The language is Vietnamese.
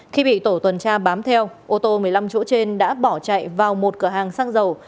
khi bị tổ tuần tra bám theo ô tô một mươi năm chỗ trên đã bỏ chạy vào một cửa hàng xăng dầu